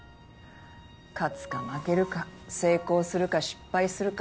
勝つか負けるか成功するか失敗するか。